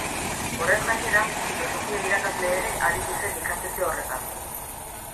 Horrez gainera, filosofia irakasle ere aritu zen ikastetxe horretan.